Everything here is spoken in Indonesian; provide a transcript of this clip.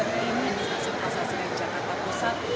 untuk situasi tertinggi di stasiun pasar senen jakarta pusat